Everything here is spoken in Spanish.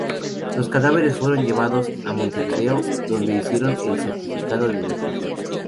Los cadáveres fueron llevados a Montevideo, donde les hicieron el certificado de defunción.